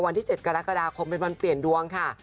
วันที่๗กรกฎาคมเป็นวันเปลี่ยนดวงค่ะ